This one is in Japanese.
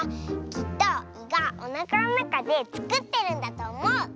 きっと「い」がおなかのなかでつくってるんだとおもう！